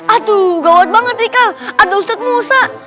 aduh gawat banget rika ada ustadz musa